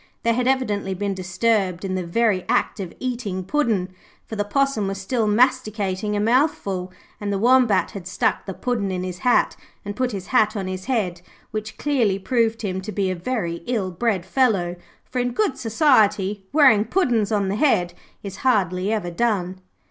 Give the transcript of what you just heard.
They had evidently been disturbed in the very act of eating Puddin', for the Possum was still masticating a mouthful; and the Wombat had stuck the Puddin' in his hat, and put his hat on his head, which clearly proved him to be a very ill bred fellow, for in good society wearing puddin's on the head is hardly ever done.